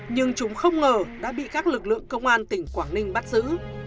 nhưng chúng không ngờ đã bị các lực lượng công an tỉnh quảng ninh bắt giữ